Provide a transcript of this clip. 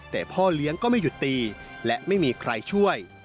แต่พ่อเลี้ยงก็ไม่หยุดตีและไม่มีใครช่วย